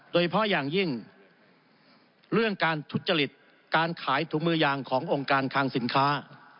โดยเฉพาะอย่างยิ่งเรื่องการทุจริตการขายถุงมือยางขององค์การคังสินค้า